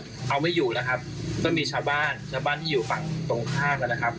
เข้าไปก่อนเอาไว้อยู่นะครับก็มีชาบ้านชาบ้านที่อยู่ฝั่งตรงข้างกันนะครับ